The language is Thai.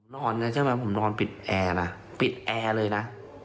นอนนะใช่ไหมผมนอนปิดแอร์นะปิดแอร์เลยนะ